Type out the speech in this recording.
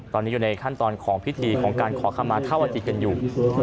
ตอนนี้อยู่ในขั้นตอนของพิธีของการขอคำมาเท่าอาจิตกันอยู่